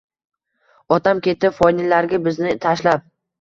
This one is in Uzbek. Otam ketdi foniylarga bizni tashlab